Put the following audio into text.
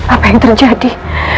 apa yang terjadi